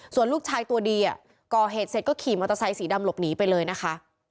ส่วนลูกชายตัวดีก่อเหตุเสร็จก็ขี่มอเตอร์ไซสีดำหลบหนีไปเลยนะคะ